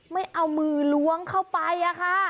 ไม่เอามือล้วงเข้าไปอะค่ะ